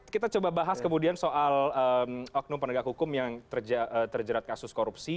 kita coba bahas kemudian soal oknum penegak hukum yang terjerat kasus korupsi